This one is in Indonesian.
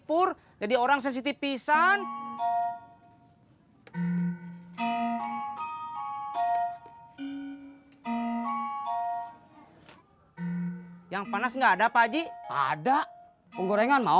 pur jadi orang sensitif pisan yang panas enggak ada pak haji ada penggorengan mau